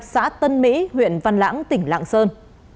xã tân mỹ huyện văn lãng tỉnh lạng sơn